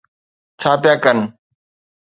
ڇا پيا ڪن.